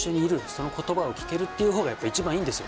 その言葉を聞けるというのが一番いいんです。